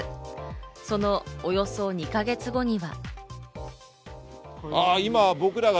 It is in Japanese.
そのおよそ２か月後には。